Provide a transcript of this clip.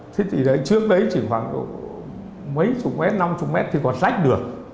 thế thì trước đấy chỉ khoảng mấy chục mét năm chục mét thì còn lách được